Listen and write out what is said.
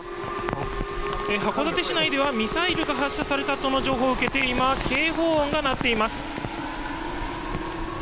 函館市内ではミサイルが発射がされたとの情報を受けて今、警報音が鳴っています。